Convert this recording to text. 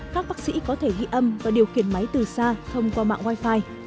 các bác sĩ có thể ghi âm và điều khiển máy từ xa thông qua mạng wifi